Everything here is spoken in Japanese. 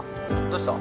どうした？